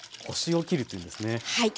はい。